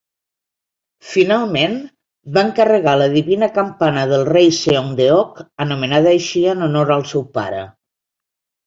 Finalment, va encarregar la Divina Campana del Rei Seongdeok, anomenada així en honor al seu pare.